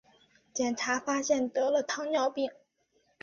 检查发现得了糖尿病